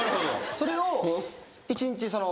それを。